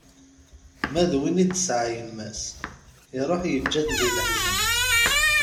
Ma d win i d-tesεa yemma-s, iruḥ yeǧǧa-t di leḥzen.